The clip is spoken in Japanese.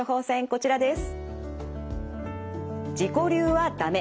こちらです。